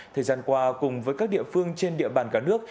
thời gian qua cùng với các địa phương trên địa bàn cả nước